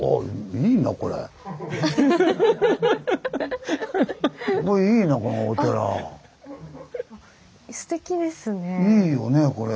いいよねこれ。